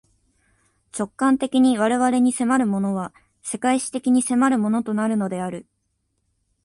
直観的に我々に迫るものは、世界史的に迫るものとなるのである。